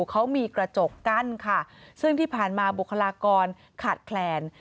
เขามีกระจกกั้นค่ะซึ่งที่ผ่านมาบุคลากรขาดแคลน